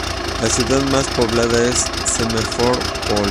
La ciudad más poblada es Simferópol.